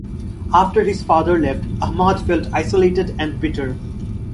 After his father left, Ahmad felt isolated and bitter.